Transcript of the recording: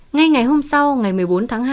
ngay ngày hôm sau ngày một mươi bốn tháng hai